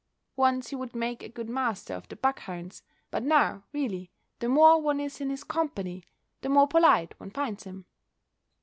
Once he would make a good master of the buck hounds; but now, really, the more one is in his company, the more polite one finds him.